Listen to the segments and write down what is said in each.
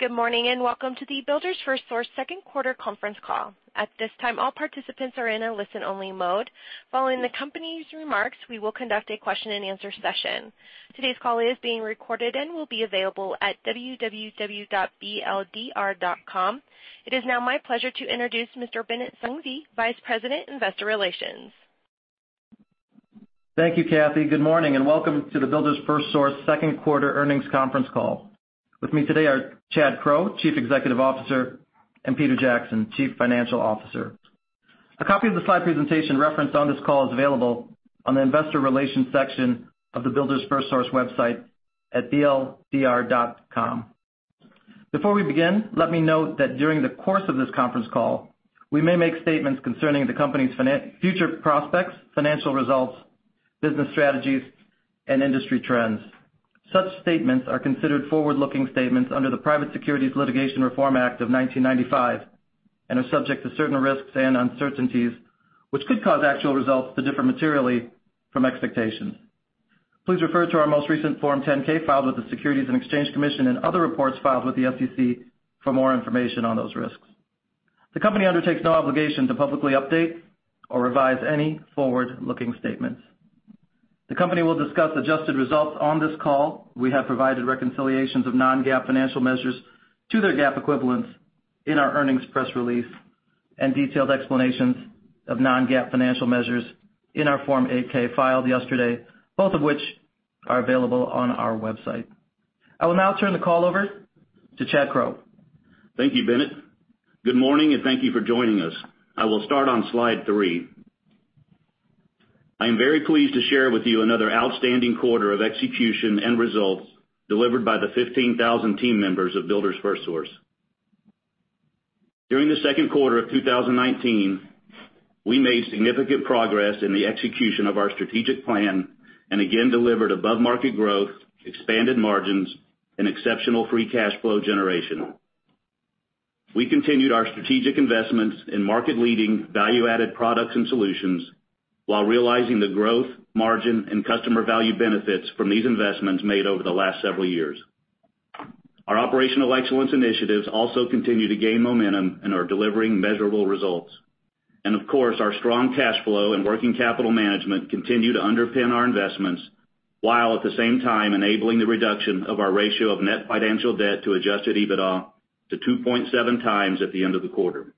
Good morning, and welcome to the Builders FirstSource second quarter conference call. At this time, all participants are in a listen-only mode. Following the company's remarks, we will conduct a question and answer session. Today's call is being recorded and will be available at investors.bldr.com. It is now my pleasure to introduce Mr. Bennett Sung V., Vice President, Investor Relations. Thank you, Kathy. Good morning, and welcome to the Builders FirstSource second quarter earnings conference call. With me today are Chad Crow, Chief Executive Officer, and Peter Jackson, Chief Financial Officer. A copy of the slide presentation referenced on this call is available on the investor relations section of the Builders FirstSource website at bldr.com. Before we begin, let me note that during the course of this conference call, we may make statements concerning the company's future prospects, financial results, business strategies, and industry trends. Such statements are considered forward-looking statements under the Private Securities Litigation Reform Act of 1995 and are subject to certain risks and uncertainties, which could cause actual results to differ materially from expectations. Please refer to our most recent Form 10-K filed with the Securities and Exchange Commission and other reports filed with the SEC for more information on those risks. The company undertakes no obligation to publicly update or revise any forward-looking statements. The company will discuss adjusted results on this call. We have provided reconciliations of non-GAAP financial measures to their GAAP equivalents in our earnings press release and detailed explanations of non-GAAP financial measures in our Form 8-K filed yesterday, both of which are available on our website. I will now turn the call over to Chad Crow. Thank you, Bennett. Good morning, and thank you for joining us. I will start on slide three. I am very pleased to share with you another outstanding quarter of execution and results delivered by the 15,000 team members of Builders FirstSource. During the second quarter of 2019, we made significant progress in the execution of our strategic plan and again delivered above-market growth, expanded margins, and exceptional free cash flow generation. We continued our strategic investments in market-leading value-added products and solutions while realizing the growth, margin, and customer value benefits from these investments made over the last several years. Our operational excellence initiatives also continue to gain momentum and are delivering measurable results. Of course, our strong cash flow and working capital management continue to underpin our investments, while at the same time enabling the reduction of our ratio of net financial debt to adjusted EBITDA to 2.7 times at the end of the quarter.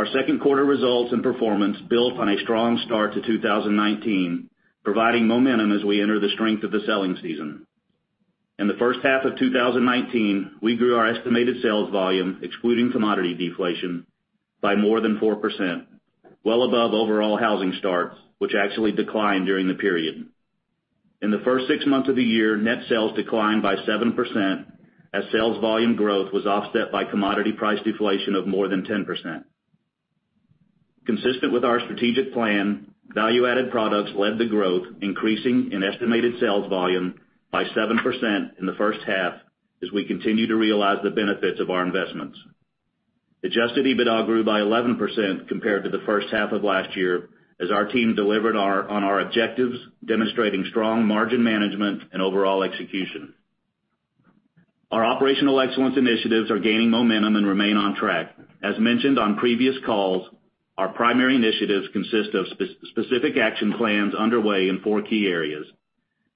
Our second quarter results and performance built on a strong start to 2019, providing momentum as we enter the strength of the selling season. In the first half of 2019, we grew our estimated sales volume, excluding commodity deflation, by more than 4%, well above overall housing starts, which actually declined during the period. In the first six months of the year, net sales declined by 7% as sales volume growth was offset by commodity price deflation of more than 10%. Consistent with our strategic plan, value-added products led the growth, increasing in estimated sales volume by 7% in the first half as we continue to realize the benefits of our investments. Adjusted EBITDA grew by 11% compared to the first half of last year as our team delivered on our objectives, demonstrating strong margin management and overall execution. Our operational excellence initiatives are gaining momentum and remain on track. As mentioned on previous calls, our primary initiatives consist of specific action plans underway in four key areas: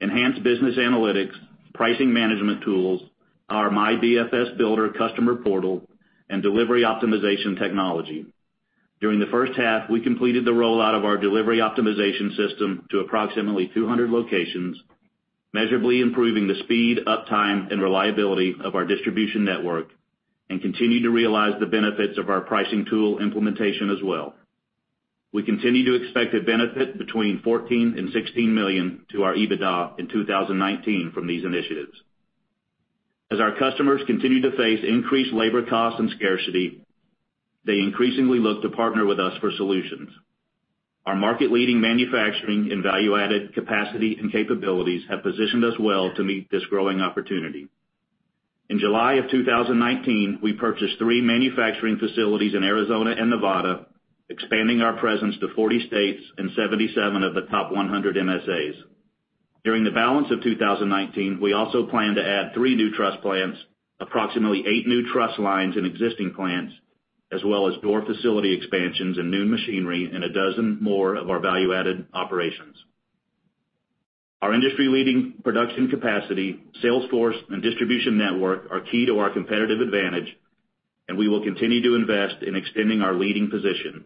enhanced business analytics, pricing management tools, our MyBFS builder customer portal, and delivery optimization technology. During the first half, we completed the rollout of our delivery optimization system to approximately 200 locations, measurably improving the speed, uptime, and reliability of our distribution network and continue to realize the benefits of our pricing tool implementation as well. We continue to expect a benefit between $14 million and $16 million to our EBITDA in 2019 from these initiatives. As our customers continue to face increased labor costs and scarcity, they increasingly look to partner with us for solutions. Our market-leading manufacturing and value-added capacity and capabilities have positioned us well to meet this growing opportunity. In July of 2019, we purchased 3 manufacturing facilities in Arizona and Nevada, expanding our presence to 40 states and 77 of the top 100 MSAs. During the balance of 2019, we also plan to add 3 new truss plants, approximately 8 new truss lines in existing plants, as well as door facility expansions and new machinery in 12 more of our value-added operations. Our industry-leading production capacity, sales force, and distribution network are key to our competitive advantage, and we will continue to invest in extending our leading position.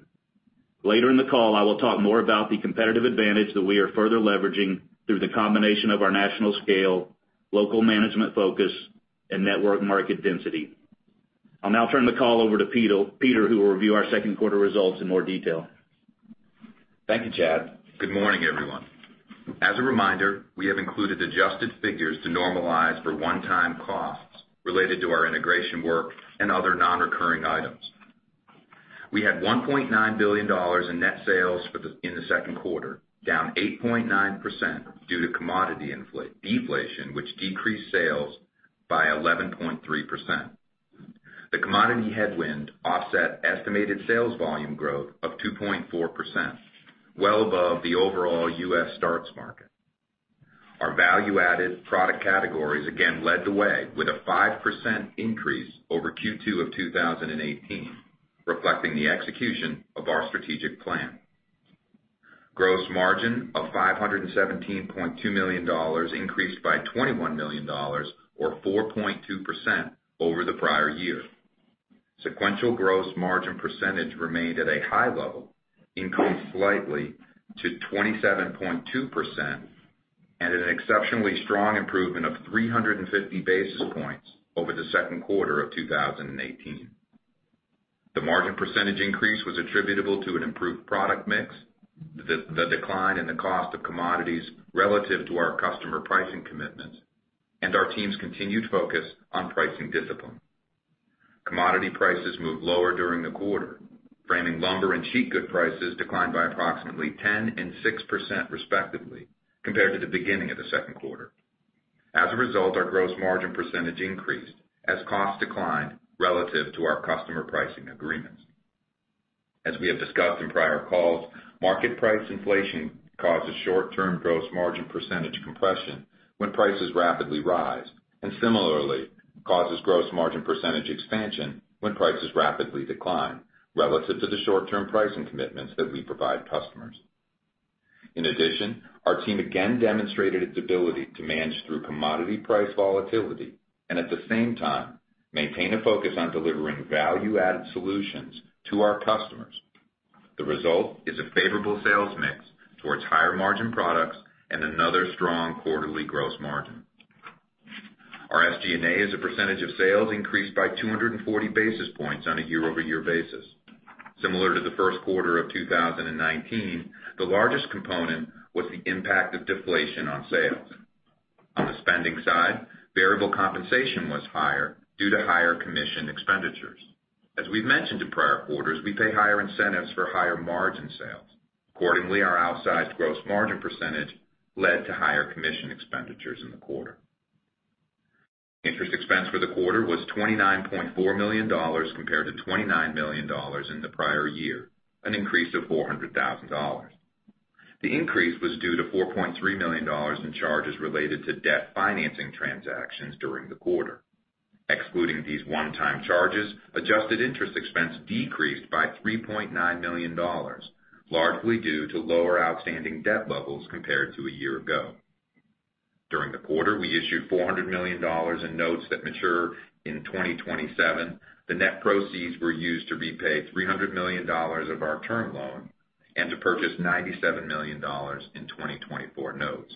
Later in the call, I will talk more about the competitive advantage that we are further leveraging through the combination of our national scale, local management focus, and network market density. I'll now turn the call over to Peter, who will review our second quarter results in more detail. Thank you, Chad. Good morning, everyone. As a reminder, we have included adjusted figures to normalize for one-time costs related to our integration work and other non-recurring items. We had $1.9 billion in net sales in the second quarter, down 8.9% due to commodity deflation, which decreased sales by 11 point. The commodity headwind offset estimated sales volume growth of 2.4%, well above the overall U.S. starts market. Our value-added product categories again led the way with a 5% increase over Q2 of 2018, reflecting the execution of our strategic plan. Gross margin of $517.2 million, increased by $21 million, or 4.2% over the prior year. Sequential gross margin percentage remained at a high level, increased slightly to 27.2%, and an exceptionally strong improvement of 350 basis points over the second quarter of 2018. The margin percentage increase was attributable to an improved product mix, the decline in the cost of commodities relative to our customer pricing commitments, and our team's continued focus on pricing discipline. Commodity prices moved lower during the quarter. Framing lumber and sheet good prices declined by approximately 10% and 6% respectively, compared to the beginning of the second quarter. As a result, our gross margin percentage increased as costs declined relative to our customer pricing agreements. As we have discussed in prior calls, market price inflation causes short-term gross margin percentage compression when prices rapidly rise, and similarly causes gross margin percentage expansion when prices rapidly decline relative to the short-term pricing commitments that we provide customers. In addition, our team again demonstrated its ability to manage through commodity price volatility and at the same time maintain a focus on delivering value-added solutions to our customers. The result is a favorable sales mix towards higher-margin products and another strong quarterly gross margin. Our SG&A as a percentage of sales increased by 240 basis points on a year-over-year basis. Similar to the first quarter of 2019, the largest component was the impact of deflation on sales. On the spending side, variable compensation was higher due to higher commission expenditures. As we've mentioned in prior quarters, we pay higher incentives for higher-margin sales. Accordingly, our outsized gross margin percentage led to higher commission expenditures in the quarter. Interest expense for the quarter was $29.4 million compared to $29 million in the prior year, an increase of $400,000. The increase was due to $4.3 million in charges related to debt financing transactions during the quarter. Excluding these one-time charges, adjusted interest expense decreased by $3.9 million, largely due to lower outstanding debt levels compared to a year ago. During the quarter, we issued $400 million in notes that mature in 2027. The net proceeds were used to repay $300 million of our term loan and to purchase $97 million in 2024 notes.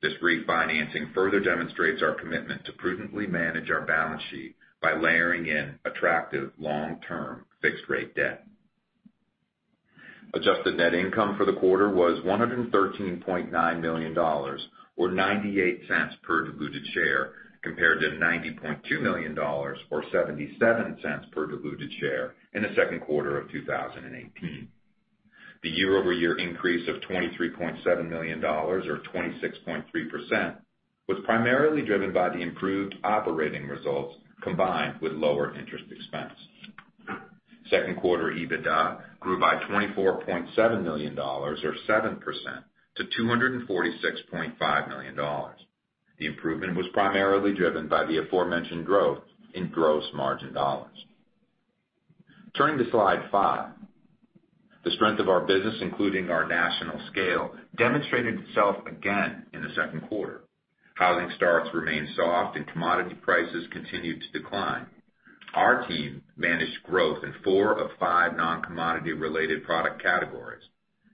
This refinancing further demonstrates our commitment to prudently manage our balance sheet by layering in attractive long-term fixed-rate debt. Adjusted net income for the quarter was $113.9 million, or $0.98 per diluted share, compared to $90.2 million or $0.77 per diluted share in the second quarter of 2018. The year-over-year increase of $23.7 million, or 26.3%, was primarily driven by the improved operating results combined with lower interest expense. Second quarter EBITDA grew by $24.7 million, or 7%, to $246.5 million. The improvement was primarily driven by the aforementioned growth in gross margin dollars. Turning to slide five. The strength of our business, including our national scale, demonstrated itself again in the second quarter. Housing starts remained soft and commodity prices continued to decline. Our team managed growth in four of five non-commodity related product categories,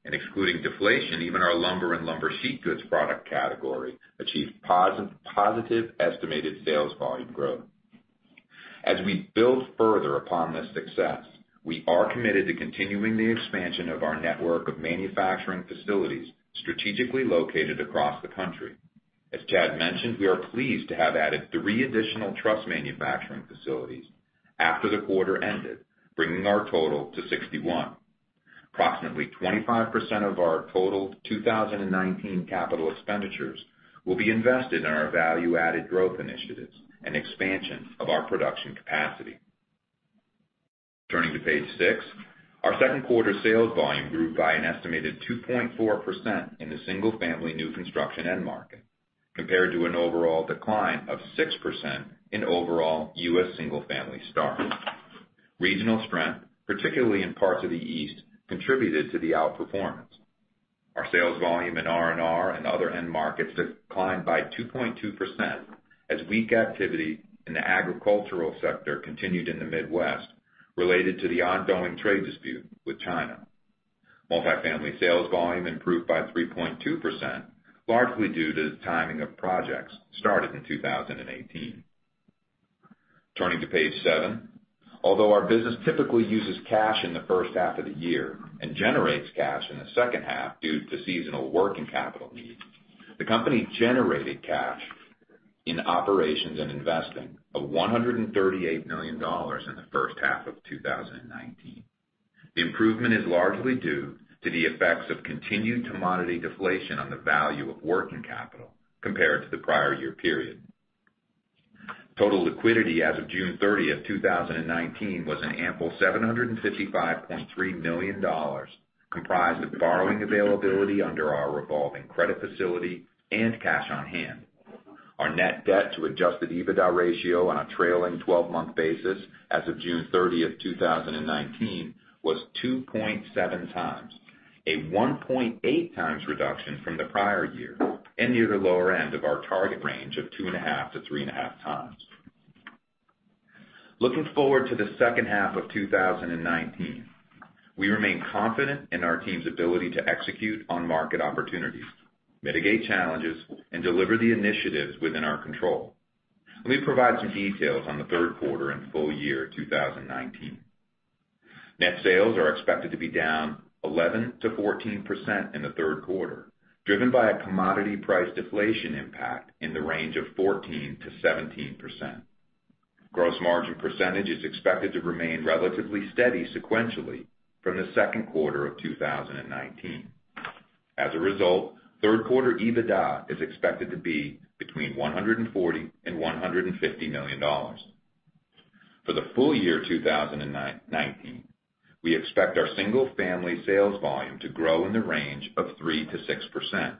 and excluding deflation, even our lumber and lumber sheet goods product category achieved positive estimated sales volume growth. As we build further upon this success, we are committed to continuing the expansion of our network of manufacturing facilities strategically located across the country. As Chad mentioned, we are pleased to have added 3 additional truss manufacturing facilities after the quarter ended, bringing our total to 61. Approximately 25% of our total 2019 CapEx will be invested in our value-added growth initiatives and expansion of our production capacity. Turning to page six. Our second quarter sales volume grew by an estimated 2.4% in the single-family new construction end market, compared to an overall decline of 6% in overall U.S. single-family starts. Regional strength, particularly in parts of the East, contributed to the outperformance. Our sales volume in R&R and other end markets declined by 2.2% as weak activity in the agricultural sector continued in the Midwest related to the ongoing trade dispute with China. Multifamily sales volume improved by 3.2%, largely due to the timing of projects started in 2018. Turning to page seven. Although our business typically uses cash in the first half of the year and generates cash in the second half due to seasonal working capital needs, the company generated cash in operations and investing of $138 million in the first half of 2019. The improvement is largely due to the effects of continued commodity deflation on the value of working capital compared to the prior year period. Total liquidity as of June 30th, 2019, was an ample $755.3 million, comprised of borrowing availability under our revolving credit facility and cash on hand. Our net debt to adjusted EBITDA ratio on a trailing 12-month basis as of June 30th, 2019, was 2.7 times, a 1.8 times reduction from the prior year, and near the lower end of our target range of 2.5-3.5 times. Looking forward to the second half of 2019, we remain confident in our team's ability to execute on market opportunities, mitigate challenges, and deliver the initiatives within our control. Let me provide some details on the third quarter and full year 2019. Net sales are expected to be down 11%-14% in the third quarter, driven by a commodity price deflation impact in the range of 14%-17%. Gross margin percentage is expected to remain relatively steady sequentially from the second quarter of 2019. As a result, third quarter EBITDA is expected to be between $140 million and $150 million. For the full year 2019, we expect our single family sales volume to grow in the range of 3%-6%,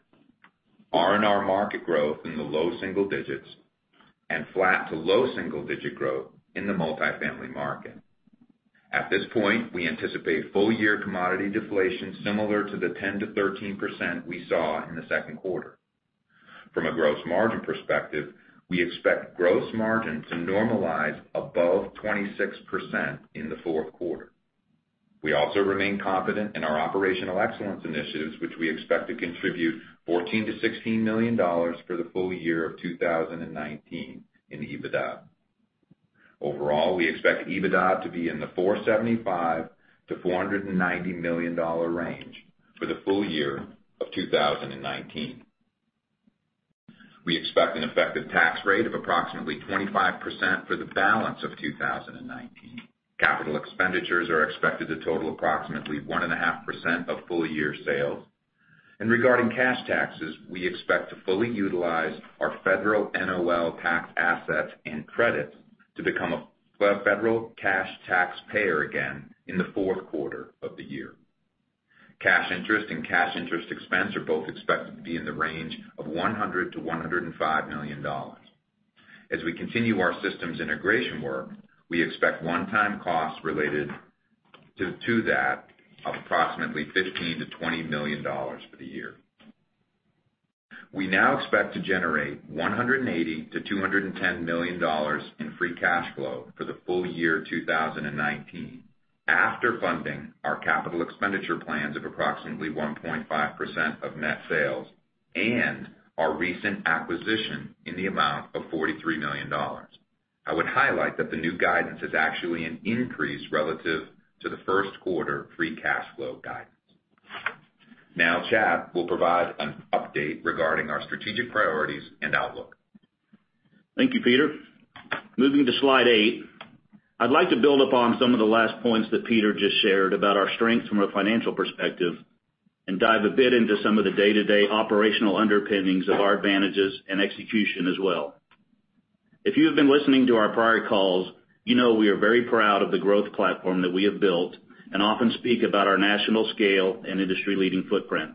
R&R market growth in the low single digits, and flat to low single-digit growth in the multifamily market. At this point, we anticipate full-year commodity deflation similar to the 10%-13% we saw in the second quarter. From a gross margin perspective, we expect gross margin to normalize above 26% in the fourth quarter. We also remain confident in our operational excellence initiatives, which we expect to contribute $14 million-$16 million for the full year of 2019 in EBITDA. Overall, we expect EBITDA to be in the $475 million-$490 million range for the full year of 2019. We expect an effective tax rate of approximately 25% for the balance of 2019. Capital expenditures are expected to total approximately 1.5% of full-year sales. Regarding cash taxes, we expect to fully utilize our federal NOL tax assets and credits to become a federal cash taxpayer again in the fourth quarter of the year. Cash interest and cash interest expense are both expected to be in the range of $100 million-$105 million. As we continue our systems integration work, we expect one-time costs related to that of approximately $15 million-$20 million for the year. We now expect to generate $180 million-$210 million in free cash flow for the full year 2019 after funding our capital expenditure plans of approximately 1.5% of net sales and our recent acquisition in the amount of $43 million. I would highlight that the new guidance is actually an increase relative to the first quarter free cash flow guidance. Chad will provide an update regarding our strategic priorities and outlook. Thank you, Peter. Moving to slide eight, I'd like to build upon some of the last points that Peter just shared about our strengths from a financial perspective and dive a bit into some of the day-to-day operational underpinnings of our advantages and execution as well. If you have been listening to our prior calls, you know we are very proud of the growth platform that we have built and often speak about our national scale and industry-leading footprint.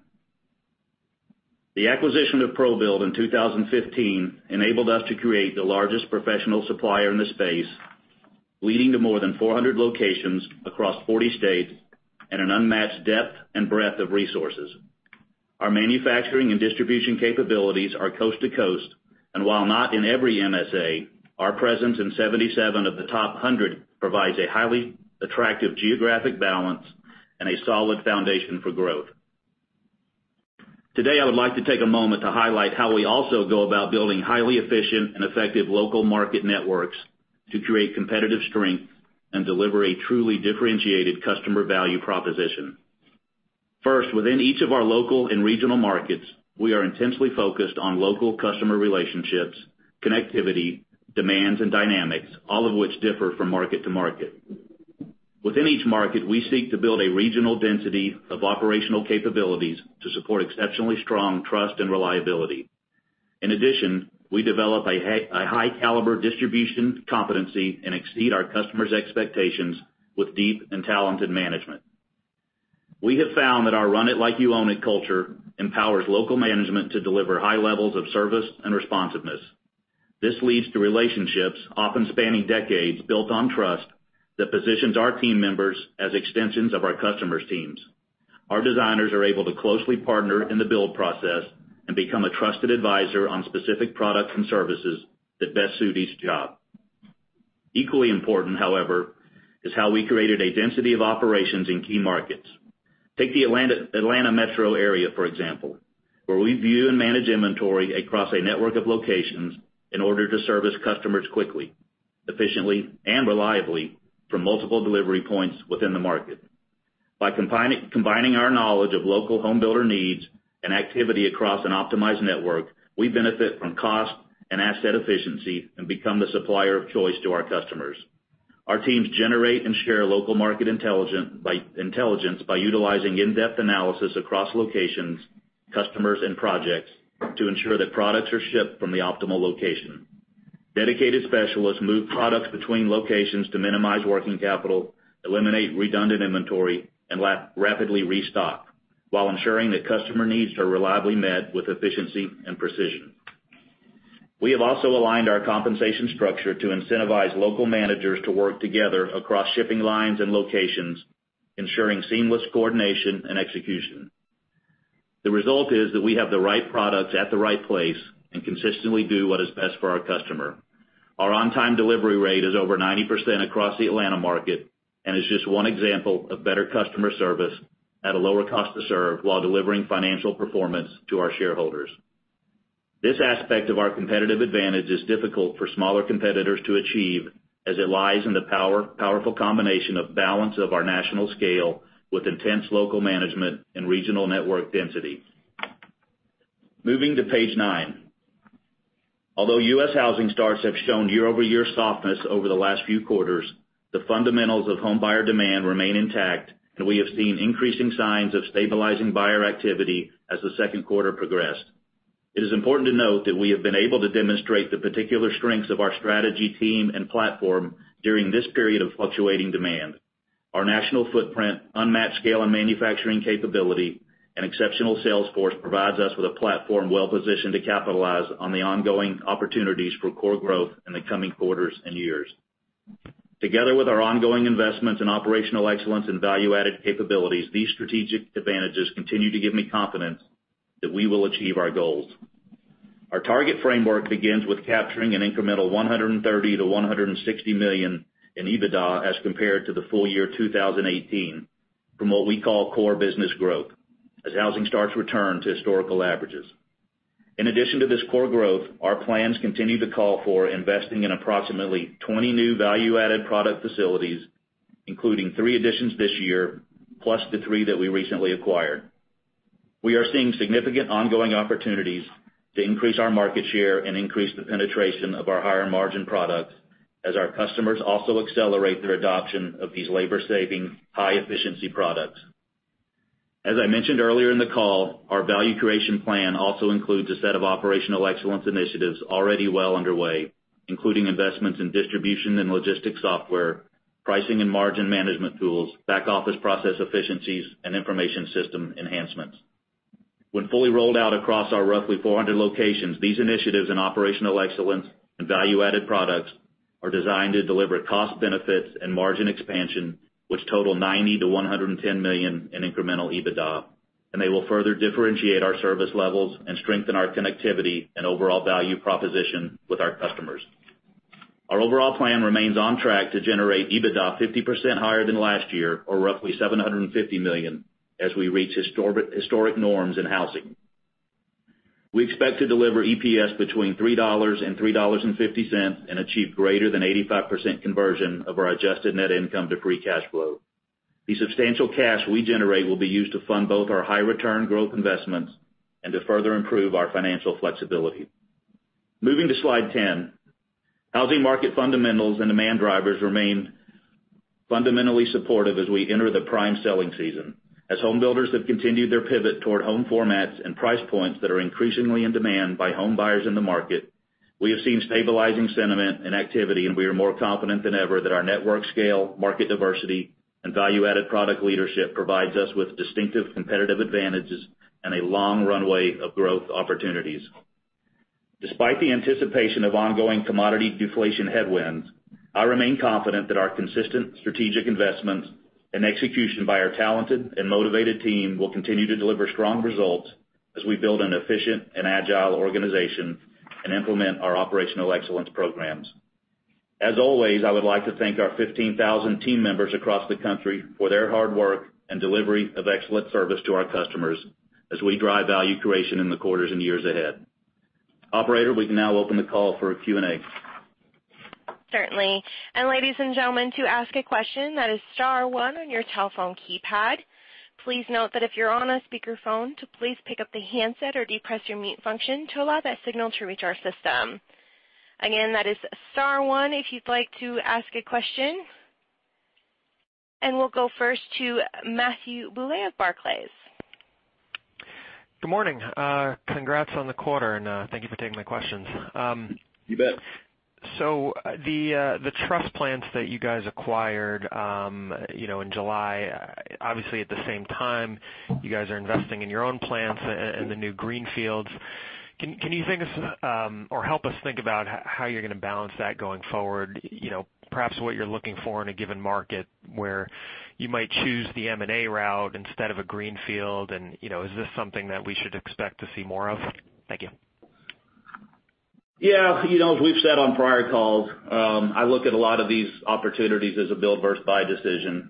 The acquisition of ProBuild in 2015 enabled us to create the largest professional supplier in the space, leading to more than 400 locations across 40 states and an unmatched depth and breadth of resources. Our manufacturing and distribution capabilities are coast to coast, and while not in every MSA, our presence in 77 of the top 100 provides a highly attractive geographic balance and a solid foundation for growth. Today, I would like to take a moment to highlight how we also go about building highly efficient and effective local market networks to create competitive strength and deliver a truly differentiated customer value proposition. First, within each of our local and regional markets, we are intensely focused on local customer relationships, connectivity, demands, and dynamics, all of which differ from market to market. Within each market, we seek to build a regional density of operational capabilities to support exceptionally strong trust and reliability. In addition, we develop a high-caliber distribution competency and exceed our customers' expectations with deep and talented management. We have found that our "run it like you own it" culture empowers local management to deliver high levels of service and responsiveness. This leads to relationships, often spanning decades, built on trust that positions our team members as extensions of our customers' teams. Our designers are able to closely partner in the build process and become a trusted advisor on specific products and services that best suit each job. Equally important, however, is how we created a density of operations in key markets. Take the Atlanta metro area, for example, where we view and manage inventory across a network of locations in order to service customers quickly, efficiently, and reliably from multiple delivery points within the market. By combining our knowledge of local home builder needs and activity across an optimized network, we benefit from cost and asset efficiency and become the supplier of choice to our customers. Our teams generate and share local market intelligence by utilizing in-depth analysis across locations, customers, and projects to ensure that products are shipped from the optimal location. Dedicated specialists move products between locations to minimize working capital, eliminate redundant inventory, and rapidly restock, while ensuring that customer needs are reliably met with efficiency and precision. We have also aligned our compensation structure to incentivize local managers to work together across shipping lines and locations, ensuring seamless coordination and execution. The result is that we have the right products at the right place and consistently do what is best for our customer. Our on-time delivery rate is over 90% across the Atlanta market and is just one example of better customer service at a lower cost to serve while delivering financial performance to our shareholders. This aspect of our competitive advantage is difficult for smaller competitors to achieve, as it lies in the powerful combination of balance of our national scale with intense local management and regional network density. Moving to page nine. Although U.S. housing starts have shown year-over-year softness over the last few quarters, the fundamentals of home buyer demand remain intact, and we have seen increasing signs of stabilizing buyer activity as the second quarter progressed. It is important to note that we have been able to demonstrate the particular strengths of our strategy team and platform during this period of fluctuating demand. Our national footprint, unmatched scale and manufacturing capability, and exceptional sales force provides us with a platform well-positioned to capitalize on the ongoing opportunities for core growth in the coming quarters and years. Together with our ongoing investments in operational excellence and value-added capabilities, these strategic advantages continue to give me confidence that we will achieve our goals. Our target framework begins with capturing an incremental $130 million-$160 million in EBITDA as compared to the full year 2018 from what we call core business growth, as housing starts to return to historical averages. In addition to this core growth, our plans continue to call for investing in approximately 20 new value-added product facilities, including three additions this year, plus the three that we recently acquired. We are seeing significant ongoing opportunities to increase our market share and increase the penetration of our higher margin products as our customers also accelerate their adoption of these labor-saving, high-efficiency products. As I mentioned earlier in the call, our value creation plan also includes a set of operational excellence initiatives already well underway, including investments in distribution and logistics software, pricing and margin management tools, back-office process efficiencies, and information system enhancements. When fully rolled out across our roughly 400 locations, these initiatives in operational excellence and value-added products are designed to deliver cost benefits and margin expansion, which total $90 million-$110 million in incremental EBITDA, and they will further differentiate our service levels and strengthen our connectivity and overall value proposition with our customers. Our overall plan remains on track to generate EBITDA 50% higher than last year or roughly $750 million as we reach historic norms in housing. We expect to deliver EPS between $3 and $3.50 and achieve greater than 85% conversion of our adjusted net income to free cash flow. The substantial cash we generate will be used to fund both our high return growth investments and to further improve our financial flexibility. Moving to slide 10. Housing market fundamentals and demand drivers remain fundamentally supportive as we enter the prime selling season. As home builders have continued their pivot toward home formats and price points that are increasingly in demand by home buyers in the market, we have seen stabilizing sentiment and activity, and we are more confident than ever that our network scale, market diversity, and value-added product leadership provides us with distinctive competitive advantages and a long runway of growth opportunities. Despite the anticipation of ongoing commodity deflation headwinds, I remain confident that our consistent strategic investments and execution by our talented and motivated team will continue to deliver strong results as we build an efficient and agile organization and implement our operational excellence programs. As always, I would like to thank our 15,000 team members across the country for their hard work and delivery of excellent service to our customers as we drive value creation in the quarters and years ahead. Operator, we can now open the call for Q&A. Certainly. Ladies and gentlemen, to ask a question, that is star one on your telephone keypad. Please note that if you're on a speakerphone to please pick up the handset or depress your mute function to allow that signal to reach our system. Again, that is star one if you'd like to ask a question. We'll go first to Matthew Bouley of Barclays. Good morning. Congrats on the quarter, and thank you for taking my questions. You bet. The trust plans that you guys acquired in July, obviously at the same time, you guys are investing in your own plants and the new greenfields. Can you think of or help us think about how you're going to balance that going forward? Perhaps what you're looking for in a given market where you might choose the M&A route instead of a greenfield, and is this something that we should expect to see more of? Thank you. Yeah. As we've said on prior calls, I look at a lot of these opportunities as a build versus buy decision.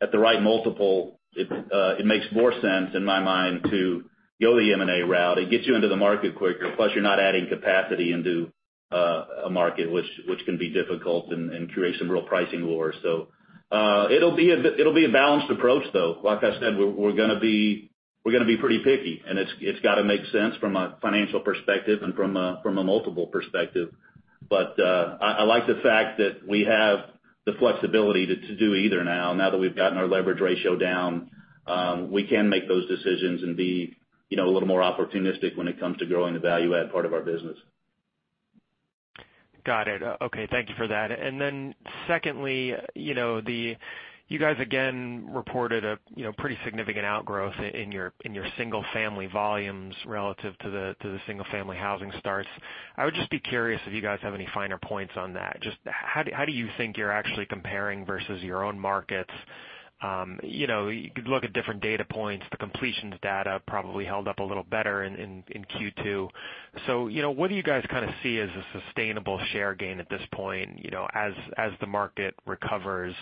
At the right multiple, it makes more sense in my mind to go the M&A route. It gets you into the market quicker, plus you're not adding capacity into a market which can be difficult and create some real pricing wars. It'll be a balanced approach, though. Like I said, we're going to be pretty picky, and it's got to make sense from a financial perspective and from a multiple perspective. I like the fact that we have the flexibility to do either now. Now that we've gotten our leverage ratio down, we can make those decisions and be a little more opportunistic when it comes to growing the value add part of our business. Got it. Okay. Thank you for that. Secondly, you guys again reported a pretty significant outgrowth in your single-family volumes relative to the single-family housing starts. I would just be curious if you guys have any finer points on that. Just how do you think you're actually comparing versus your own markets? You could look at different data points. The completions data probably held up a little better in Q2. What do you guys see as a sustainable share gain at this point as the market recovers?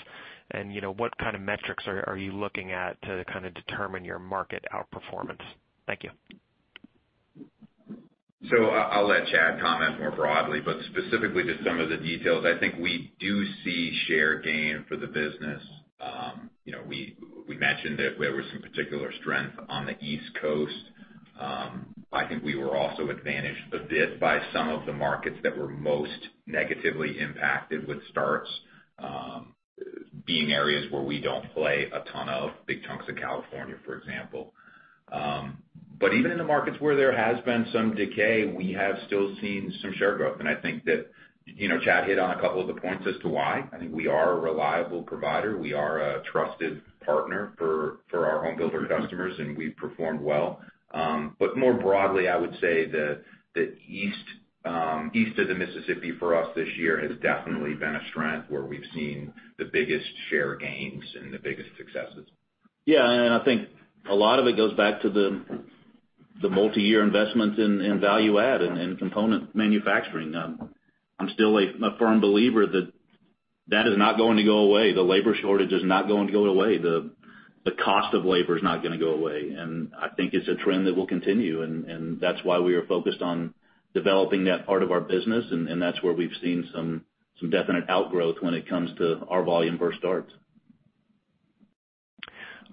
What kind of metrics are you looking at to determine your market outperformance? Thank you. I'll let Chad comment more broadly, but specifically to some of the details, I think we do see share gain for the business. We mentioned that there was some particular strength on the East Coast. I think we were also advantaged a bit by some of the markets that were most negatively impacted with starts, being areas where we don't play a ton of big chunks of California, for example. Even in the markets where there has been some decay, we have still seen some share growth. I think that Chad hit on a couple of the points as to why. I think we are a reliable provider. We are a trusted partner for our home builder customers, and we've performed well. More broadly, I would say that East of the Mississippi for us this year has definitely been a strength where we've seen the biggest share gains and the biggest successes. Yeah, I think a lot of it goes back to the multi-year investments in value-added and component manufacturing. I'm still a firm believer that is not going to go away. The labor shortage is not going to go away. The cost of labor is not going to go away. I think it's a trend that will continue, and that's why we are focused on developing that part of our business, and that's where we've seen some definite outgrowth when it comes to our volume versus starts.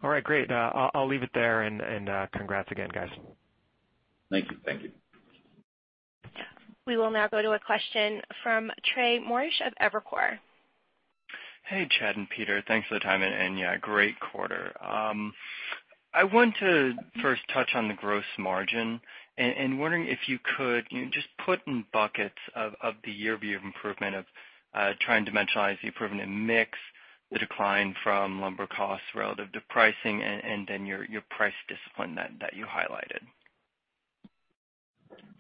All right, great. I'll leave it there, and congrats again, guys. Thank you. Thank you. We will now go to a question from Trey Morrish of Evercore. Hey, Chad and Peter, thanks for the time. Yeah, great quarter. I want to first touch on the gross margin. Wondering if you could just put in buckets of the year view improvement of trying to dimensionalize the improvement in mix, the decline from lumber costs relative to pricing, and then your price discipline that you highlighted.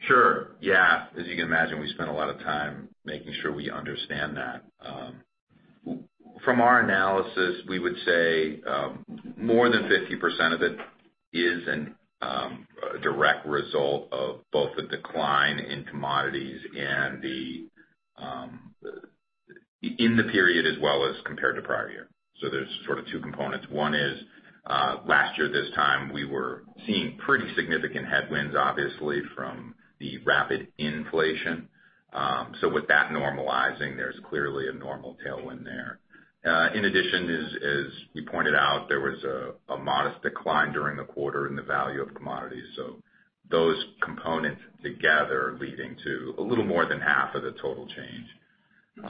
Sure, yeah. As you can imagine, we spent a lot of time making sure we understand that. From our analysis, we would say more than 50% of it is a direct result of both the decline in commodities in the period as well as compared to prior year. There's sort of two components. One is, last year this time, we were seeing pretty significant headwinds, obviously, from the rapid inflation. With that normalizing, there's clearly a normal tailwind there. In addition, as we pointed out, there was a modest decline during the quarter in the value of commodities. Those components together leading to a little more than half of the total change.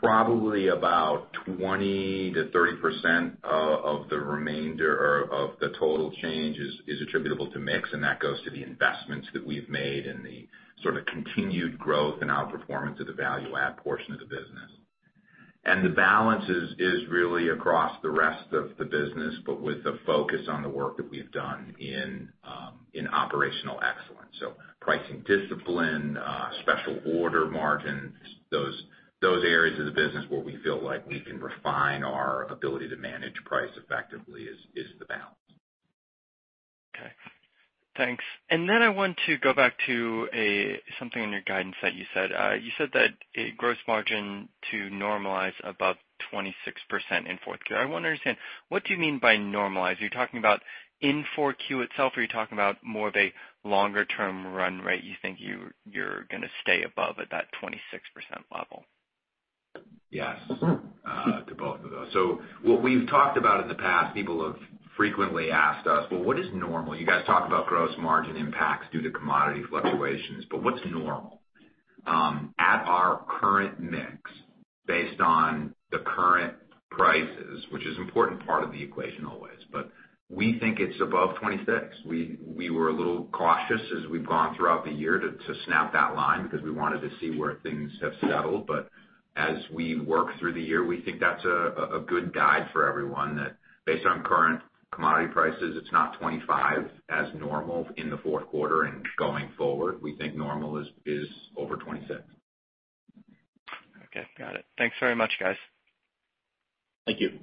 Probably about 20%-30% of the remainder of the total change is attributable to mix, and that goes to the investments that we've made and the sort of continued growth and outperformance of the value add portion of the business. The balance is really across the rest of the business, but with the focus on the work that we've done in operational excellence. Pricing discipline, special order margins, those areas of the business where we feel like we can refine our ability to manage price effectively is the balance. Okay. Thanks. Then I want to go back to something in your guidance that you said. You said that a gross margin to normalize above 26% in fourth quarter. I want to understand, what do you mean by normalize? Are you talking about in 4Q itself, or are you talking about more of a longer-term run rate you think you're going to stay above at that 26% level? Yes, to both of those. What we've talked about in the past, people have frequently asked us, "Well, what is normal? You guys talk about gross margin impacts due to commodity fluctuations, but what's normal?" At our current mix, based on the current prices, which is important part of the equation always, but we think it's above 26%. We were a little cautious as we've gone throughout the year to snap that line because we wanted to see where things have settled. As we work through the year, we think that's a good guide for everyone. That based on current commodity prices, it's not 25% as normal in the fourth quarter and going forward. We think normal is over 26%. Okay, got it. Thanks very much, guys. Thank you.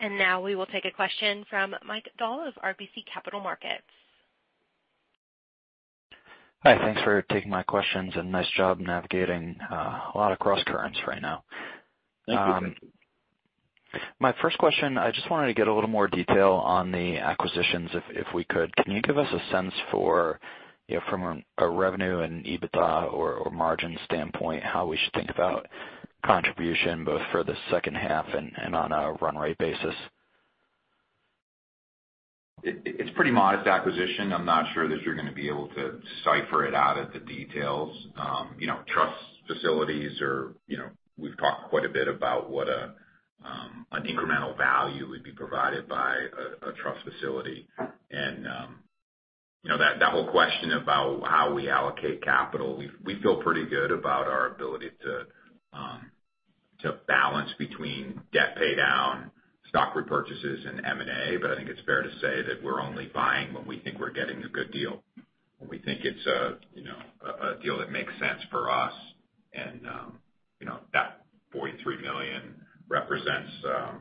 Now we will take a question from Michael Dahl of RBC Capital Markets. Hi, thanks for taking my questions and nice job navigating a lot of cross currents right now. Thank you. My first question, I just wanted to get a little more detail on the acquisitions, if we could. Can you give us a sense for, from a revenue and EBITDA or margin standpoint, how we should think about contribution both for the second half and on a run rate basis? It's pretty modest acquisition. I'm not sure that you're going to be able to cipher it out of the details. Trust facilities. We've talked quite a bit about what an incremental value would be provided by a trust facility. That whole question about how we allocate capital, we feel pretty good about our ability to balance between debt pay down, stock repurchases and M&A. I think it's fair to say that we're only buying when we think we're getting a good deal, when we think it's a deal that makes sense for us. That $43 million represents a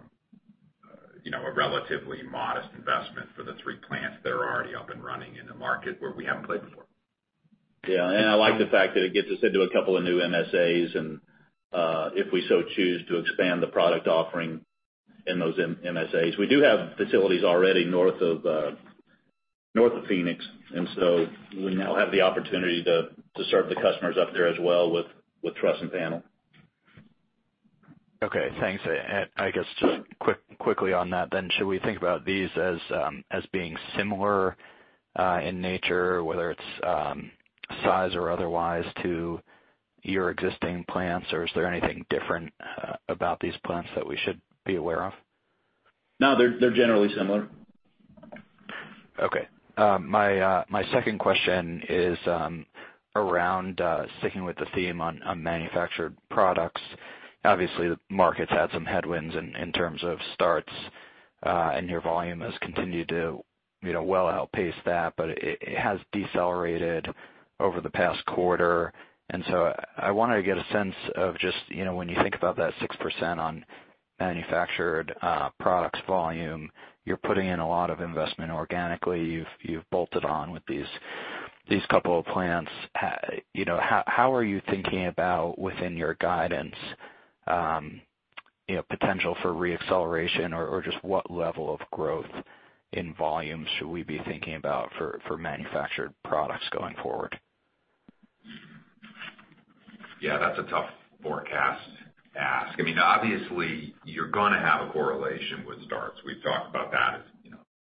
relatively modest investment for the three plants that are already up and running in a market where we haven't played before. I like the fact that it gets us into a couple of new MSAs, and if we so choose, to expand the product offering in those MSAs. We do have facilities already north of Phoenix, we now have the opportunity to serve the customers up there as well with truss and panel. Okay, thanks. I guess just quickly on that then, should we think about these as being similar in nature, whether it's size or otherwise, to your existing plants, or is there anything different about these plants that we should be aware of? No, they're generally similar. Okay. My second question is around sticking with the theme on manufactured products. The market's had some headwinds in terms of starts, and your volume has continued to well outpace that, but it has decelerated over the past quarter. I wanted to get a sense of just when you think about that 6% on manufactured products volume, you're putting in a lot of investment organically. You've bolted on with these couple of plants. How are you thinking about within your guidance, potential for re-acceleration or just what level of growth in volume should we be thinking about for manufactured products going forward? Yeah, that's a tough forecast ask. Obviously, you're going to have a correlation with starts. We've talked about that as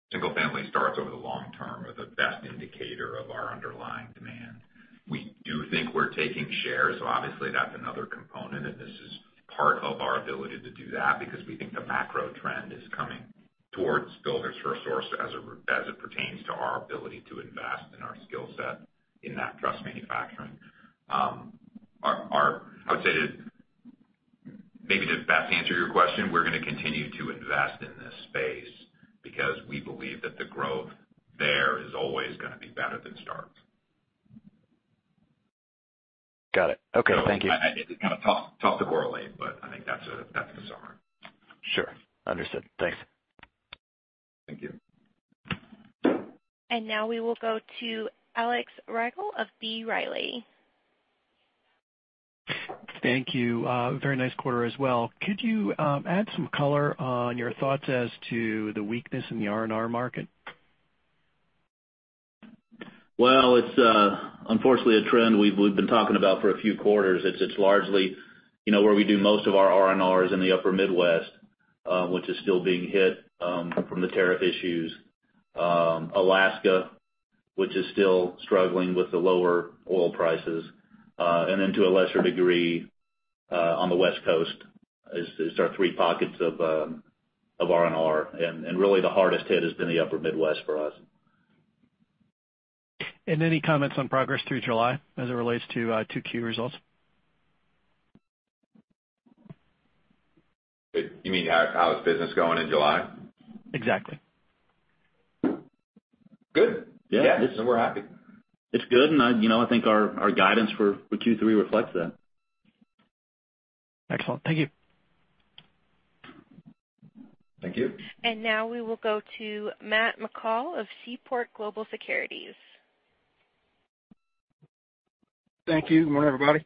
single family starts over the long term are the best indicator of our underlying demand. We do think we're taking shares, so obviously that's another component, and this is part of our ability to do that because we think the macro trend is coming towards Builders FirstSource as it pertains to our ability to invest in our skill set in that truss manufacturing. I would say maybe to best answer your question, we're going to continue to invest in this space because we believe that the growth there is always going to be better than starts. Got it. Okay. Thank you. It's kind of tough to correlate, but I think that's a summary. Sure. Understood. Thanks. Thank you. Now we will go to Alex Rygiel of B. Riley. Thank you. Very nice quarter as well. Could you add some color on your thoughts as to the weakness in the R&R market? Well, it's unfortunately a trend we've been talking about for a few quarters. It's largely where we do most of our R&Rs in the upper Midwest, which is still being hit from the tariff issues. Alaska, which is still struggling with the lower oil prices, then to a lesser degree, on the West Coast is our three pockets of R&R. Really the hardest hit has been the upper Midwest for us. Any comments on progress through July as it relates to 2Q results? You mean how is business going in July? Exactly. Good. Yeah. We're happy. It's good, and I think our guidance for Q3 reflects that. Excellent. Thank you. Thank you. Now we will go to Matt McCall of Seaport Global Securities. Thank you. Good morning, everybody.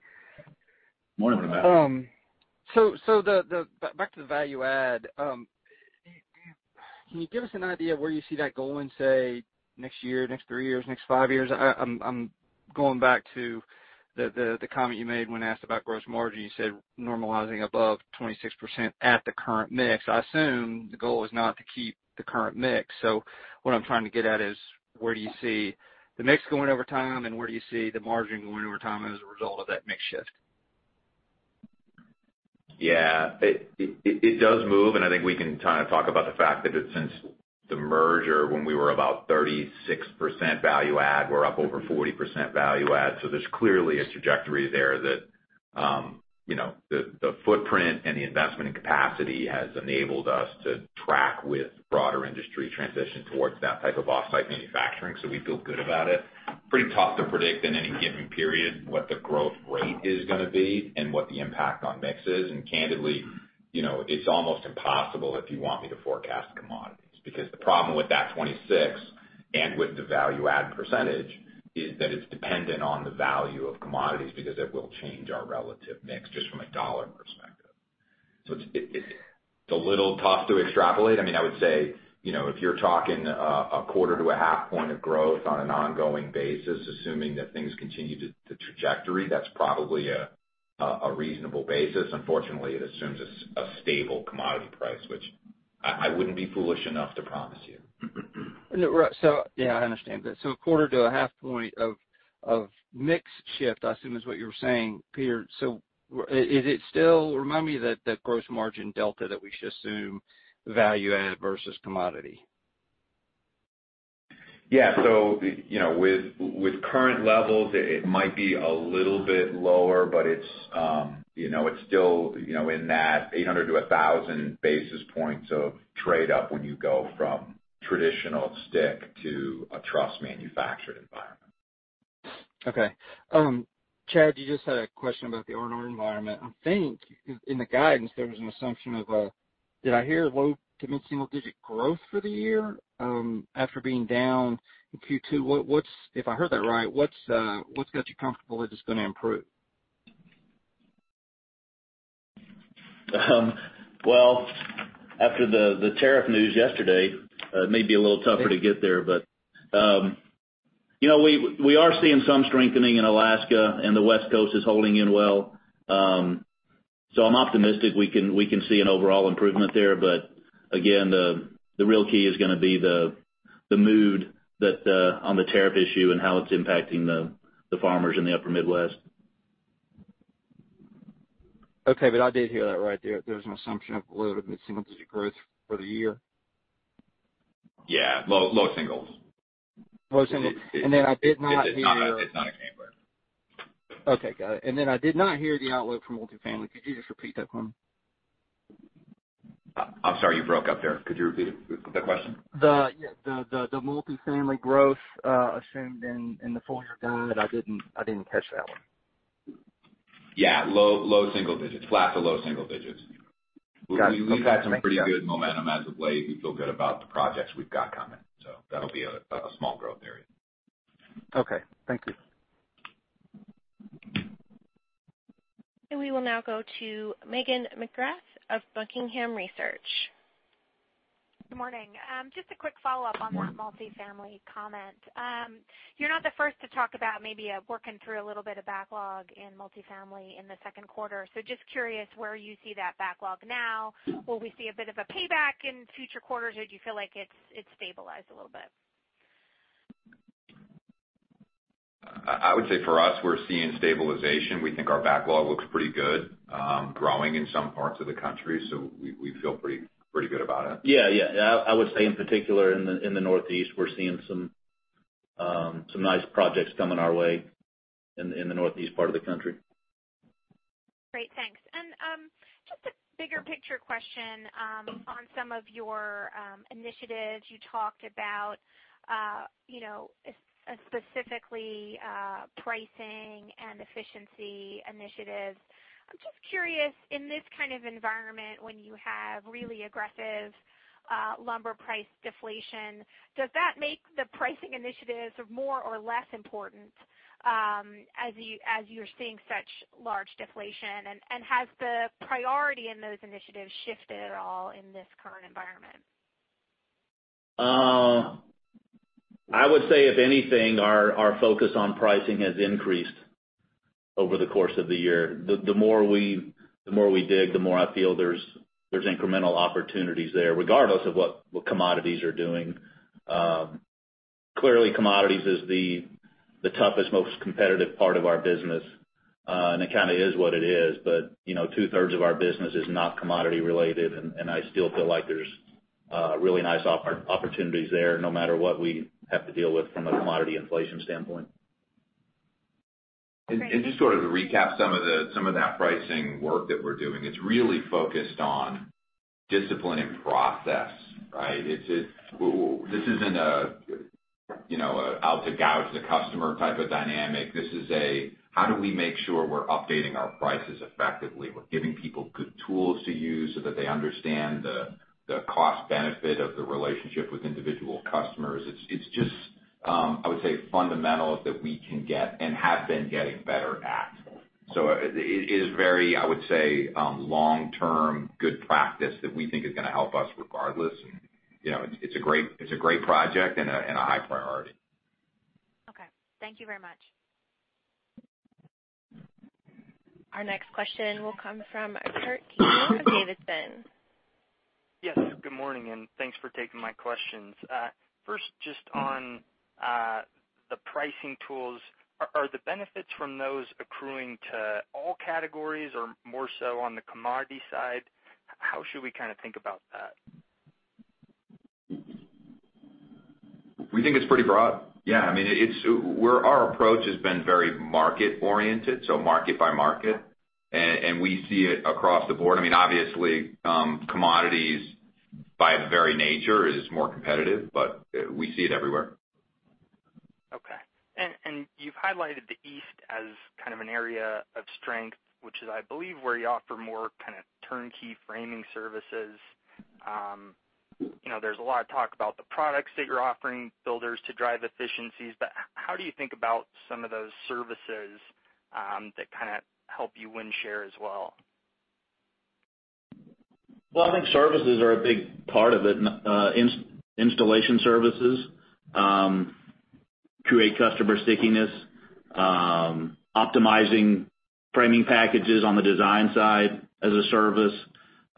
Morning, Matt. Back to the value add. Can you give us an idea of where you see that going, say, next year, next three years, next five years? I'm going back to the comment you made when asked about gross margin. You said normalizing above 26% at the current mix. I assume the goal is not to keep the current mix. What I'm trying to get at is where do you see the mix going over time, and where do you see the margin going over time as a result of that mix shift? Yeah. It does move. I think we can kind of talk about the fact that since the merger, when we were about 36% value add, we're up over 40% value add. There's clearly a trajectory there that the footprint and the investment in capacity has enabled us to track with broader industry transition towards that type of offsite manufacturing. We feel good about it. Pretty tough to predict in any given period what the growth rate is going to be and what the impact on mix is. Candidly, it's almost impossible if you want me to forecast commodities. The problem with that 26% and with the value add % is that it's dependent on the value of commodities because it will change our relative mix just from a $ perspective. It's a little tough to extrapolate. I would say, if you're talking a quarter to a half point of growth on an ongoing basis, assuming that things continue to trajectory, that's probably a reasonable basis. Unfortunately, it assumes a stable commodity price, which I wouldn't be foolish enough to promise you. Right. Yeah, I understand that. A quarter to a half point of mix shift, I assume is what you're saying, Peter. Remind me the gross margin delta that we should assume value-add versus commodity. With current levels, it might be a little bit lower, but it's still in that 800 to 1,000 basis points of trade up when you go from traditional stick to a truss manufactured environment. Okay. Chad, you just had a question about the R&R environment. I think in the guidance there was an assumption of, did I hear low to mid-single digit growth for the year after being down in Q2? If I heard that right, what's got you comfortable that it's going to improve? Well, after the tariff news yesterday, it may be a little tougher to get there. We are seeing some strengthening in Alaska, and the West Coast is holding in well. I'm optimistic we can see an overall improvement there. Again, the real key is going to be the mood on the tariff issue and how it's impacting the farmers in the upper Midwest. Okay. I did hear that right there. There was an assumption of low to mid-single digit growth for the year. Yeah. Low singles. Low singles. I did not hear- It's not a gainer. Okay, got it. I did not hear the outlook for multifamily. Could you just repeat that for me? I'm sorry, you broke up there. Could you repeat the question? The multifamily growth assumed in the full-year guide. I didn't catch that one. Yeah. Low single digits. Flat to low single digits. Got it. Okay. Thank you. We've had some pretty good momentum as of late. We feel good about the projects we've got coming. That'll be a small growth area. Okay. Thank you. We will now go to Megan McGrath of Buckingham Research. Good morning. Just a quick follow-up on the multifamily comment. You're not the first to talk about maybe working through a little bit of backlog in multifamily in the second quarter. Just curious where you see that backlog now? Will we see a bit of a payback in future quarters, or do you feel like it's stabilized a little bit? I would say for us, we're seeing stabilization. We think our backlog looks pretty good, growing in some parts of the country. We feel pretty good about it. Yeah. I would say in particular in the Northeast, we're seeing some nice projects coming our way in the Northeast part of the country. Great. Thanks. Just a bigger picture question on some of your initiatives. You talked about specifically pricing and efficiency initiatives. I'm just curious, in this kind of environment, when you have really aggressive lumber price deflation, does that make the pricing initiatives more or less important as you're seeing such large deflation? Has the priority in those initiatives shifted at all in this current environment? I would say, if anything, our focus on pricing has increased over the course of the year. The more we dig, the more I feel there's incremental opportunities there, regardless of what commodities are doing. Clearly, commodities is the toughest, most competitive part of our business. It kind of is what it is. Two-thirds of our business is not commodity related, and I still feel like there's really nice opportunities there no matter what we have to deal with from a commodity inflation standpoint. Great. Just sort of to recap some of that pricing work that we're doing, it's really focused on discipline and process, right? This isn't an out to gouge the customer type of dynamic. This is a how do we make sure we're updating our prices effectively? We're giving people good tools to use so that they understand the cost benefit of the relationship with individual customers. It's just, I would say, fundamentals that we can get and have been getting better at. It is very, I would say, long-term good practice that we think is going to help us regardless. It's a great project and a high priority. Okay. Thank you very much. Our next question will come from Kurt Yinger of D.A. Davidson. Yes. Good morning, and thanks for taking my questions. First, just on the pricing tools, are the benefits from those accruing to all categories or more so on the commodity side? How should we kind of think about that? We think it's pretty broad. Yeah. Our approach has been very market oriented, so market by market. We see it across the board. Obviously, commodities by its very nature is more competitive, but we see it everywhere. Okay. You've highlighted the East as kind of an area of strength, which is, I believe, where you offer more kind of turnkey framing services. There's a lot of talk about the products that you're offering builders to drive efficiencies, but how do you think about some of those services that kind of help you win share as well? Well, I think services are a big part of it. Installation services create customer stickiness, optimizing framing packages on the design side as a service.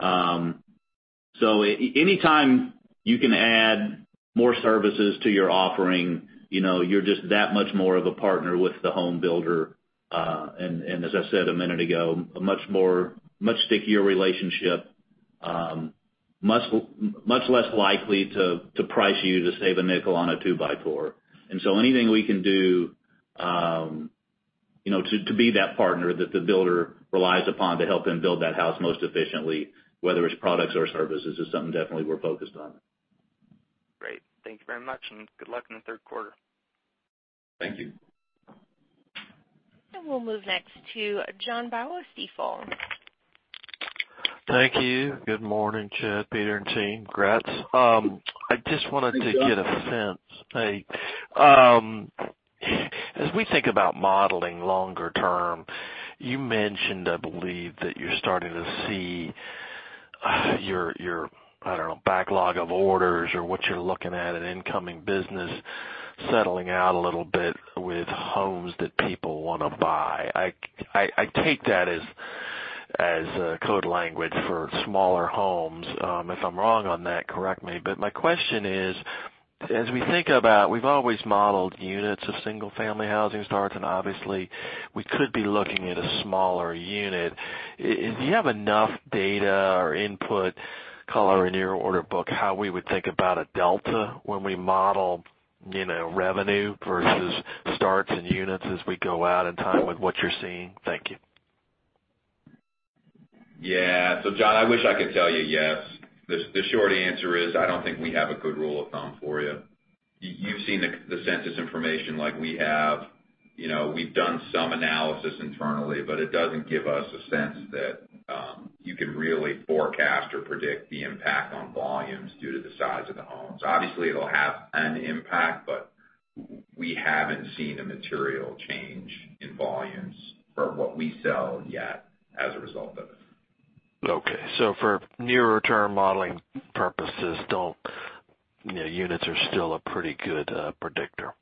Anytime you can add more services to your offering, you're just that much more of a partner with the home builder. As I said a minute ago, a much stickier relationship. Much less likely to price you to save a nickel on a two by four. Anything we can do to be that partner that the builder relies upon to help them build that house most efficiently, whether it's products or services, is something definitely we're focused on. Great. Thank you very much, and good luck in the third quarter. Thank you. We'll move next to John Baugh, Stifel. Thank you. Good morning, Chad, Peter, and team. Congrats. I just wanted to get a sense, as we think about modeling longer term, you mentioned, I believe that you're starting to see your, I don't know, backlog of orders or what you're looking at in incoming business, settling out a little bit with homes that people want to buy. I take that as code language for smaller homes. If I'm wrong on that, correct me. My question is, as we think about, we've always modeled units of single-family housing starts, and obviously we could be looking at a smaller unit. Do you have enough data or input color in your order book, how we would think about a delta when we model revenue versus starts and units as we go out in time with what you're seeing? Thank you. Yeah. John, I wish I could tell you yes. The short answer is, I don't think we have a good rule of thumb for you. You've seen the census information like we have. We've done some analysis internally, it doesn't give us a sense that you can really forecast or predict the impact on volumes due to the size of the homes. Obviously, it'll have an impact, we haven't seen a material change in volumes for what we sell yet as a result of it. Okay. For nearer term modeling purposes, units are still a pretty good predictor.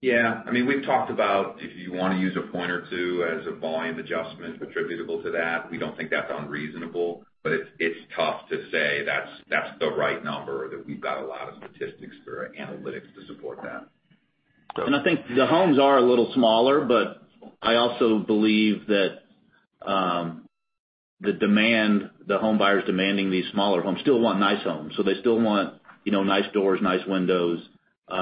Yeah. We've talked about if you want to use a point or two as a volume adjustment attributable to that, we don't think that's unreasonable, but it's tough to say that's the right number or that we've got a lot of statistics or analytics to support that. I think the homes are a little smaller, but I also believe that the home buyers demanding these smaller homes still want nice homes, so they still want nice doors, nice windows. To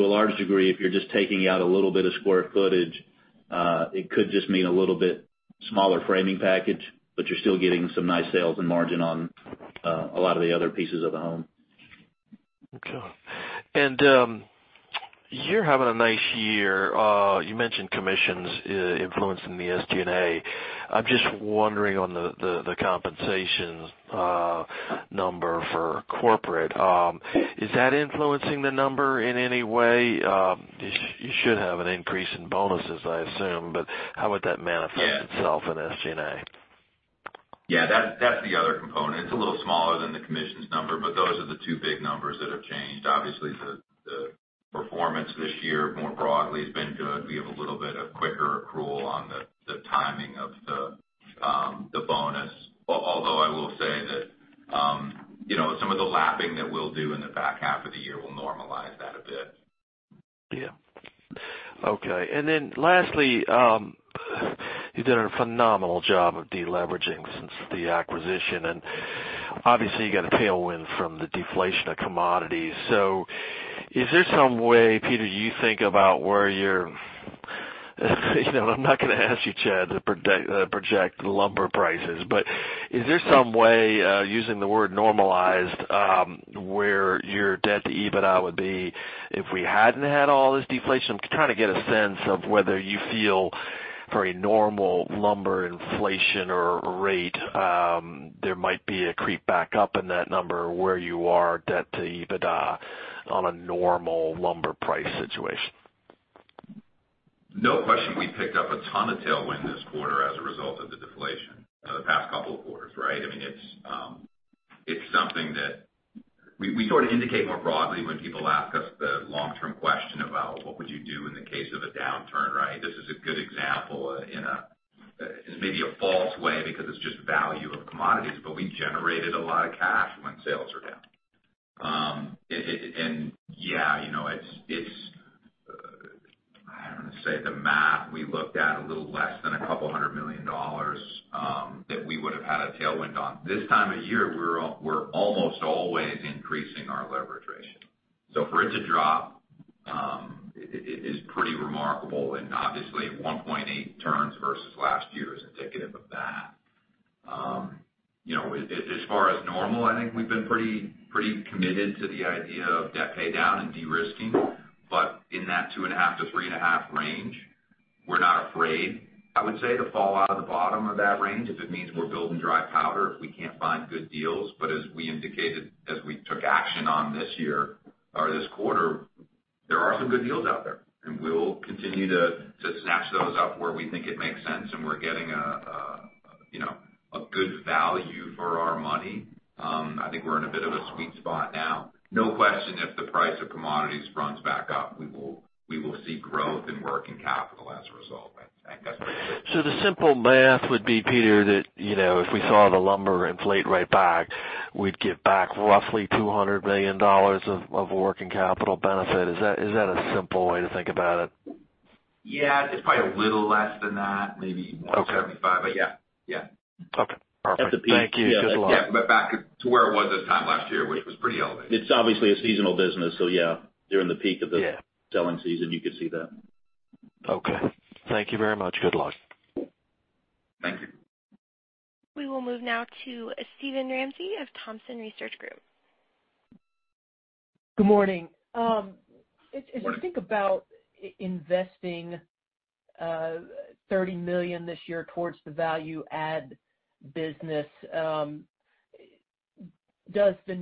a large degree, if you're just taking out a little bit of square footage, it could just mean a little bit smaller framing package, but you're still getting some nice sales and margin on a lot of the other pieces of the home. Okay. You're having a nice year. You mentioned commissions influencing the SG&A. I'm just wondering on the compensations number for corporate, is that influencing the number in any way? You should have an increase in bonuses, I assume, but how would that manifest itself in SG&A? Yeah, that's the other component. It's a little smaller than the commissions number, but those are the two big numbers that have changed. Obviously, the performance this year more broadly has been good. We have a little bit of quicker accrual on the timing of the bonus. Although I will say that some of the lapping that we'll do in the back half of the year will normalize that a bit. Yeah. Okay. Lastly, you've done a phenomenal job of de-leveraging since the acquisition, and obviously you got a tailwind from the deflation of commodities. Is there some way, Peter, you think about where you're I'm not going to ask you, Chad, to project lumber prices, but is there some way, using the word normalized, where your debt to EBITDA would be if we hadn't had all this deflation? I'm trying to get a sense of whether you feel for a normal lumber inflation or rate, there might be a creep back up in that number where you are debt to EBITDA on a normal lumber price situation. No question, we picked up a ton of tailwind this quarter as a result of the deflation of the past couple of quarters, right? It's something that we sort of indicate more broadly when people ask us the long-term question about what would you do in the case of a downturn, right? This is a good example in maybe a false way because it's just value of commodities, but we generated a lot of cash when sales were down. Yeah, I don't want to say the math, we looked at a little less than a couple hundred million dollars that we would have had a tailwind on. This time of year, we're almost always increasing our leverage ratio. For it to drop is pretty remarkable and obviously at 1.8 turns versus last year is indicative of that. As far as normal, I think we've been pretty committed to the idea of debt paydown and de-risking. In that two and a half to three and a half range, we're not afraid, I would say, to fall out of the bottom of that range if it means we're building dry powder, if we can't find good deals. As we indicated, as we took action on this year or this quarter, there are some good deals out there, and we'll continue to snatch those up where we think it makes sense and we're getting a good value for our money. I think we're in a bit of a sweet spot now. No question, if the price of commodities runs back up, we will see growth in working capital as a result. The simple math would be, Peter, that if we saw the lumber inflate right back, we'd get back roughly $200 million of working capital benefit. Is that a simple way to think about it? Yeah. It's probably a little less than that. Okay 175, but yeah. Okay. Perfect. At the peak. Thank you. Good luck. Back to where it was this time last year, which was pretty elevated. It's obviously a seasonal business, during the peak of selling season, you could see that. Okay. Thank you very much. Good luck. Thank you. We will move now to Steven Ramsey of Thompson Research Group. Good morning. Morning. If you think about investing $30 million this year towards the value add business, does the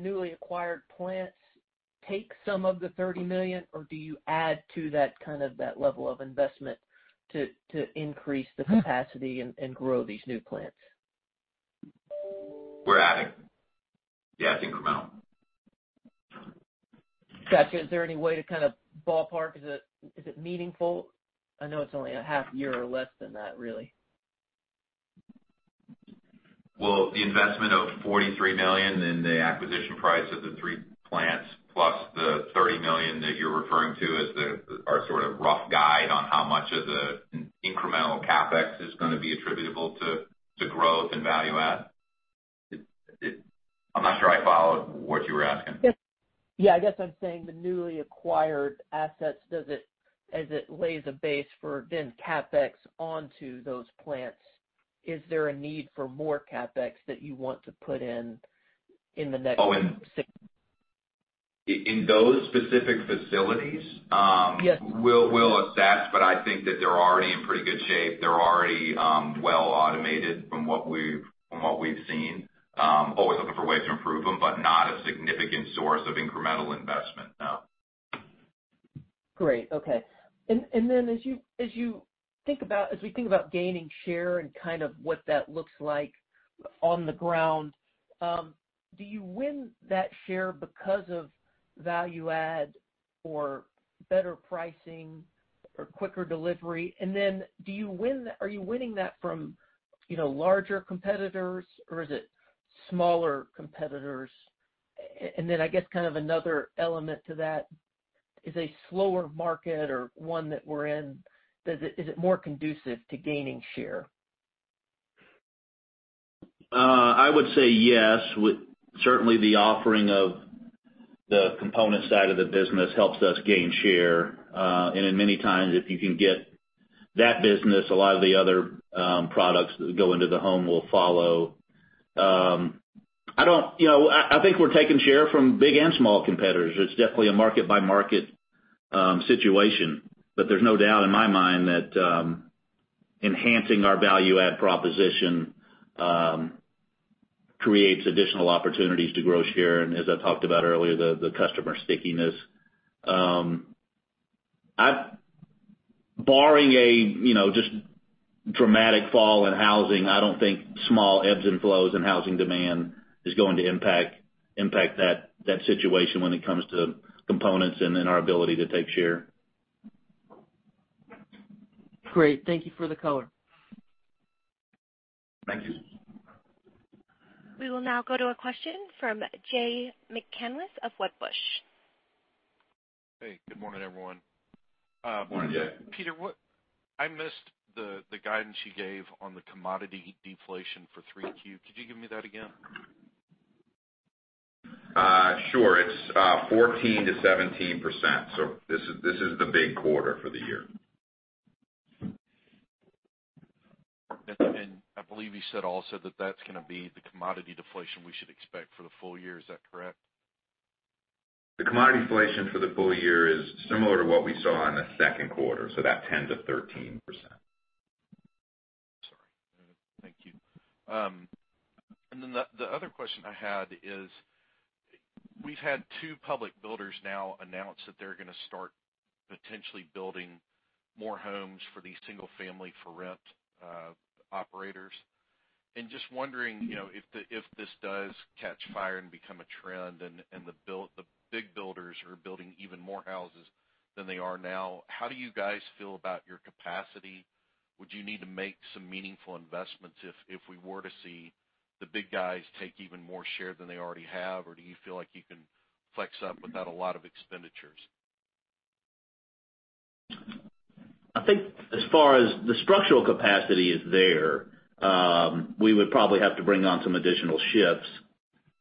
newly acquired plants take some of the $30 million, or do you add to that level of investment to increase the capacity and grow these new plants? We're adding. Yeah, it's incremental. Got you. Is there any way to kind of ballpark? Is it meaningful? I know it's only a half year or less than that, really. Well, the investment of $43 million in the acquisition price of the three plants, plus the $30 million that you're referring to as our sort of rough guide on how much of the incremental CapEx is going to be attributable to growth and value add. I'm not sure I followed what you were asking. I guess I'm saying the newly acquired assets, as it lays a base for then CapEx onto those plants, is there a need for more CapEx that you want to put in the next? Oh, in those specific facilities? Yes. We'll assess, but I think that they're already in pretty good shape. They're already well automated from what we've seen. Always looking for ways to improve them, but not a significant source of incremental investment, no. Great. Okay. As we think about gaining share and kind of what that looks like on the ground, do you win that share because of value add or better pricing or quicker delivery? Are you winning that from larger competitors, or is it smaller competitors? I guess kind of another element to that, is a slower market or one that we're in, is it more conducive to gaining share? I would say yes. Certainly, the offering of the component side of the business helps us gain share. In many times, if you can get that business, a lot of the other products that go into the home will follow. I think we're taking share from big and small competitors. It's definitely a market-by-market situation. There's no doubt in my mind that enhancing our value add proposition creates additional opportunities to grow share, and as I talked about earlier, the customer stickiness. Barring a just dramatic fall in housing, I don't think small ebbs and flows in housing demand is going to impact that situation when it comes to components and then our ability to take share. Great. Thank you for the color. Thank you. We will now go to a question from Jay McCanless of Wedbush. Hey, good morning, everyone. Morning, Jay. Peter, I missed the guidance you gave on the commodity deflation for three Q. Could you give me that again? Sure. It's 14%-17%, so this is the big quarter for the year. I believe you said also that that's going to be the commodity deflation we should expect for the full year. Is that correct? The commodity deflation for the full year is similar to what we saw in the second quarter, so that 10%-13%. Sorry. Thank you. Then the other question I had is, we've had two public builders now announce that they're going to start potentially building more homes for these single-family for rent operators. Just wondering, if this does catch fire and become a trend and the big builders are building even more houses than they are now, how do you guys feel about your capacity? Would you need to make some meaningful investments if we were to see the big guys take even more share than they already have? Do you feel like you can flex up without a lot of expenditures? I think as far as the structural capacity is there. We would probably have to bring on some additional shifts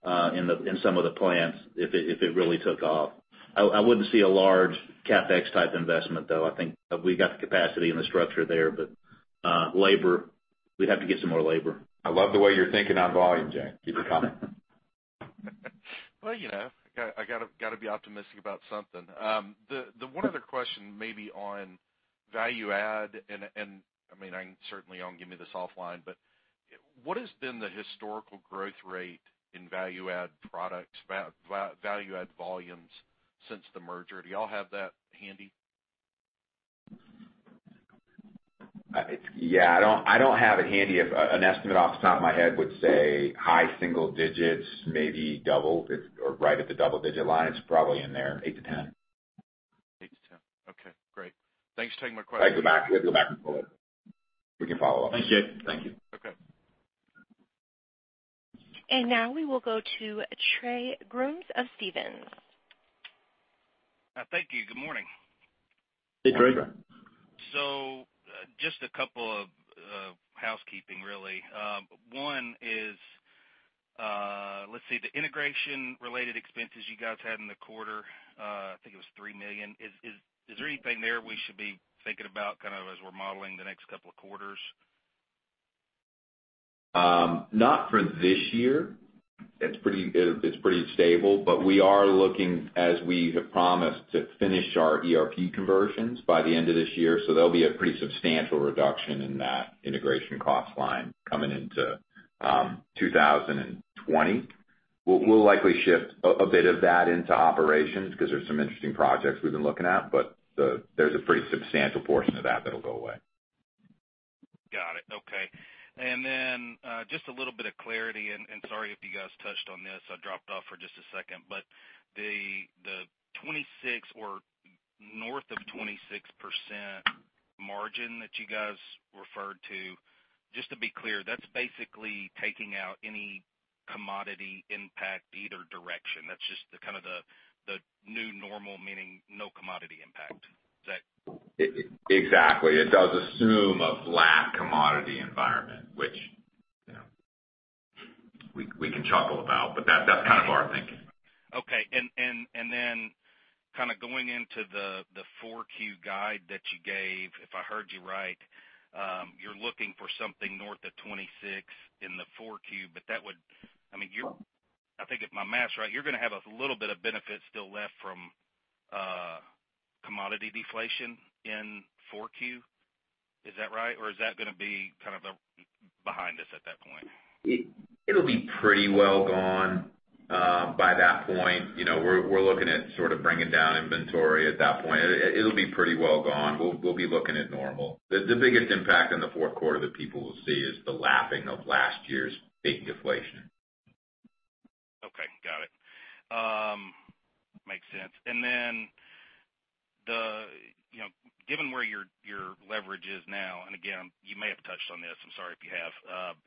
in some of the plants, if it really took off. I wouldn't see a large CapEx type investment, though. I think we've got the capacity and the structure there, but labor, we'd have to get some more labor. I love the way you're thinking on volume, Jay. Keep it coming. Well, I've got to be optimistic about something. The one other question maybe on value add and, I certainly don't give me this offline, what has been the historical growth rate in value-added volumes since the merger? Do y'all have that handy? I don't have it handy. An estimate off the top of my head would say high single digits, maybe double, or right at the double digit line. It's probably in there, eight to 10. 8-10. Okay, great. Thanks for taking my question. I can go back and pull it. We can follow up. Thank you. Thank you. Okay. Now we will go to Trey Grooms of Stephens. Thank you. Good morning. Hey, Trey. Just a couple of housekeeping, really. One is, let's see, the integration related expenses you guys had in the quarter, I think it was $3 million. Is there anything there we should be thinking about as we're modeling the next couple of quarters? Not for this year. It's pretty stable, but we are looking, as we have promised, to finish our ERP conversions by the end of this year. There'll be a pretty substantial reduction in that integration cost line coming into 2020. We'll likely shift a bit of that into operations because there's some interesting projects we've been looking at. There's a pretty substantial portion of that that'll go away. Got it. Okay. Just a little bit of clarity, and sorry if you guys touched on this, I dropped off for just a second. The 26 or north of 26% margin that you guys referred to, just to be clear, that's basically taking out any commodity impact either direction. That's just the kind of the new normal, meaning no commodity impact. Is that? Exactly. It does assume a flat commodity environment, which we can chuckle about, but that's kind of our thinking. Okay. Kind of going into the 4Q guide that you gave, if I heard you right, you're looking for something north of 26% in the 4Q, I think if my math's right, you're going to have a little bit of benefit still left from commodity deflation in 4Q. Is that right? Is that going to be kind of behind us at that point? It'll be pretty well gone by that point. We're looking at sort of bringing down inventory at that point. It'll be pretty well gone. We'll be looking at normal. The biggest impact in the fourth quarter that people will see is the lapping of last year's big deflation. Okay, got it. Makes sense. Given where your leverage is now, and again, you may have touched on this, I'm sorry if you have.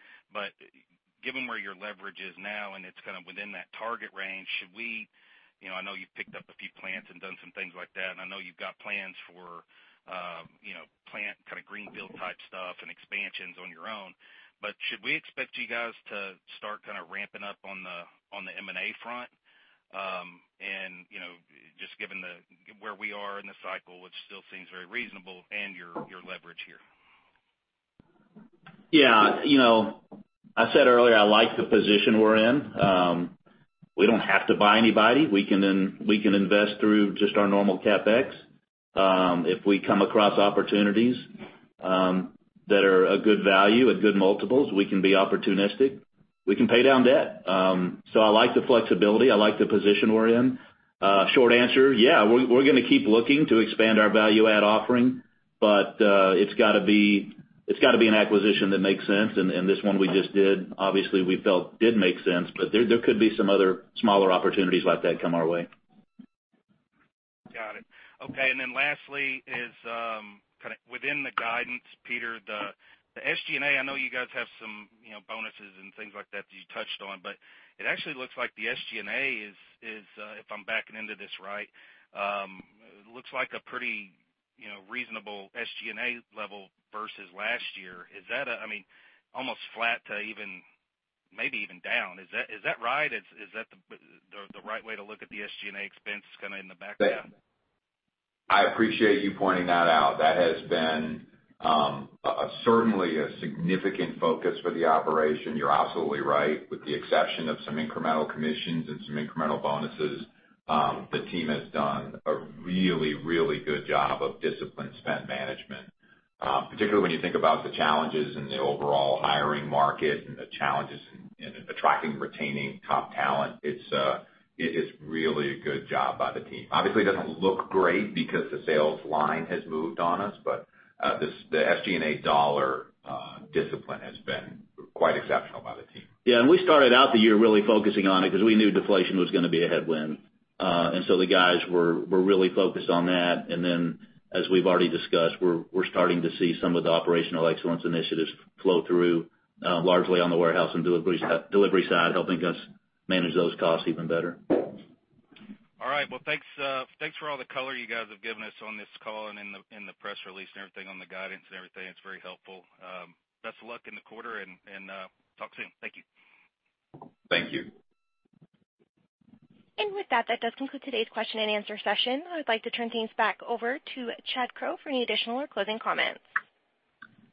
Given where your leverage is now, and it's kind of within that target range, should we I know you've picked up a few plants and done some things like that, and I know you've got plans for plant kind of greenfield type stuff and expansions on your own. Should we expect you guys to start kind of ramping up on the M&A front, just given where we are in the cycle, which still seems very reasonable, and your leverage here? Yeah. I said earlier I like the position we're in. We don't have to buy anybody. We can invest through just our normal CapEx. If we come across opportunities that are a good value, at good multiples, we can be opportunistic. We can pay down debt. I like the flexibility. I like the position we're in. Short answer, yeah, we're going to keep looking to expand our value add offering. It's got to be an acquisition that makes sense. This one we just did, obviously, we felt did make sense. There could be some other smaller opportunities like that come our way. Got it. Okay, lastly is kind of within the guidance, Peter, the SG&A, I know you guys have some bonuses and things like that that you touched on, but it actually looks like the SG&A is, if I'm backing into this right, looks like a pretty reasonable SG&A level versus last year. Is that, I mean, almost flat to maybe even down? Is that right? Is that the right way to look at the SG&A expense kind of in the back half? I appreciate you pointing that out. That has been certainly a significant focus for the operation. You're absolutely right. With the exception of some incremental commissions and some incremental bonuses, the team has done a really, really good job of discipline spend management. Particularly when you think about the challenges in the overall hiring market and the challenges in attracting, retaining top talent, it's really a good job by the team. Obviously, it doesn't look great because the sales line has moved on us, but the SG&A dollar discipline has been quite exceptional by the team. Yeah, we started out the year really focusing on it because we knew deflation was going to be a headwind. The guys were really focused on that. As we've already discussed, we're starting to see some of the operational excellence initiatives flow through, largely on the warehouse and delivery side, helping us manage those costs even better. All right. Well, thanks for all the color you guys have given us on this call and in the press release and everything on the guidance and everything. It's very helpful. Best of luck in the quarter, and talk soon. Thank you. Thank you. With that does conclude today's question and answer session. I would like to turn things back over to Chad Crow for any additional or closing comments.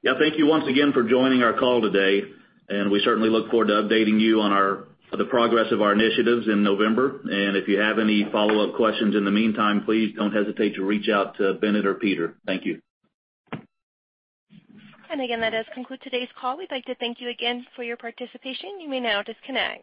Yeah, thank you once again for joining our call today, and we certainly look forward to updating you on the progress of our initiatives in November. If you have any follow-up questions in the meantime, please don't hesitate to reach out to Bennett or Peter. Thank you. Again, that does conclude today's call. We'd like to thank you again for your participation. You may now disconnect.